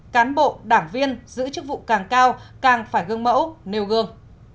cán bộ đảng viên giữ chức vụ càng cao càng phải gương mẫu nêu gương